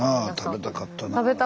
食べたかった。